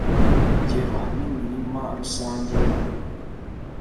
geba n'imirima rusange yayo